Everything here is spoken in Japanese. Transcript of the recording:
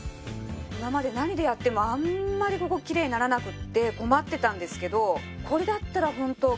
今まで何でやってもあんまりここきれいにならなくて困ってたんですけど。